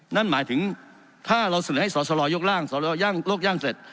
นั่นหมายถึงถ้าเราเสนอให้สรสลอยกร่างสรสลอยโรคย่างเสร็จ